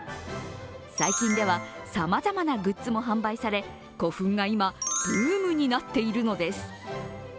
最近ではさまざまなグッズも販売され、古墳が今、ブームになっているのです。